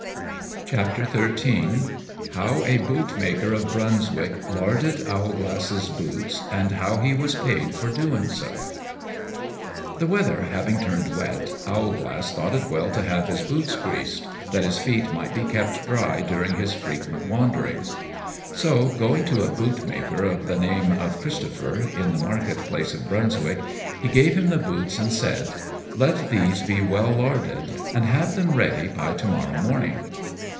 [Illustration: Owlglass takes the Priest's Snuff box.] XIII. How a Bootmaker of Brunswick larded Owlglass's Boots; and how he was paid for doing so. The weather having turned wet, Owlglass thought it well to have his boots greased, that his feet might be kept dry during his frequent wanderings; so, going to a bootmaker of the name of Christopher, in the marketplace of Brunswick, he gave him the boots, and said, "Let these be well larded, and have them ready by to morrow morning."